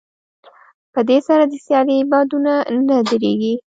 په دې سره د سيالۍ بادونه نه درېږي.